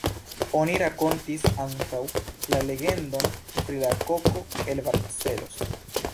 Oni rakontis ankaŭ la legendon pri la koko el Barcelos.